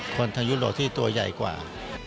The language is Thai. คนทางยุโรปที่ตัวใหญ่กว่า